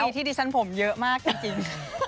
โชคดีที่ดีชันผมเยอะมากจริง